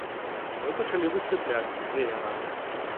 Мы пачалі высвятляць, дзе яна.